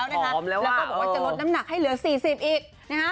แล้วก็บอกว่าจะลดน้ำหนักให้เหลือ๔๐อีก